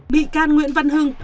bị can nguyễn văn hưng